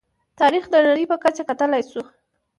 تاریخ د نړۍ په کچه کتلی شو.